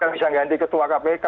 bisa mengganti ketua kpk